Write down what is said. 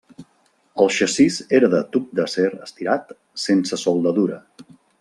El xassís era de tub d'acer estirat sense soldadura.